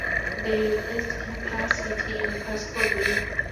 They replaced Kingston City and Pascoe Vale.